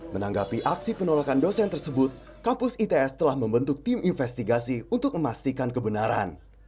menanggapi aksi penolakan dosen tersebut kampus its telah membentuk tim investigasi untuk memastikan kebenaran